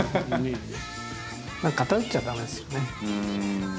何か偏っちゃ駄目ですよね。